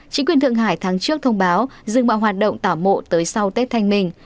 chính quyền thượng hải tháng trước thông báo dừng bằng hoạt động tả mộ tới sau tết thanh minh